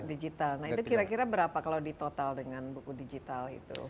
nah itu kira kira berapa kalau di total dengan buku digital itu